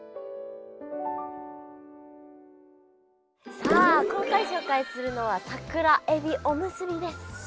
さあ今回紹介するのは桜えびおむすびです！